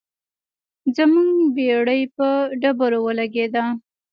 زموږ بیړۍ په ډبرو ولګیده.